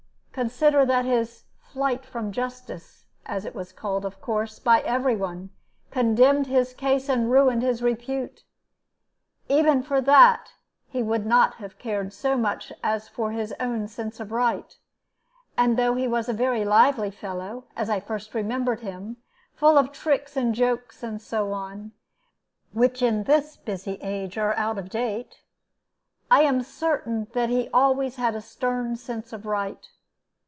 Consider that his 'flight from justice,' as it was called, of course, by every one, condemned his case and ruined his repute. Even for that he would not have cared so much as for his own sense of right. And though he was a very lively fellow, as I first remember him, full of tricks and jokes, and so on, which in this busy age are out of date, I am certain that he always had a stern sense of right.